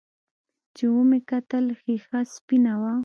چې ومې کتل ښيښه سپينه وه.